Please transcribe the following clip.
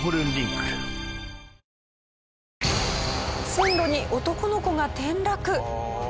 線路に男の子が転落。